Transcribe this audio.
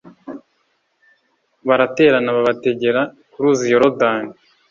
baraterana babategera ku ruzi yorodani